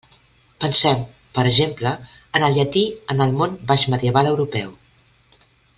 Pensem, per exemple, en el llatí en el món baixmedieval europeu.